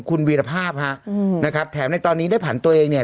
คุณวีรภาพฮะอืมนะครับแถมในตอนนี้ได้ผันตัวเองเนี่ย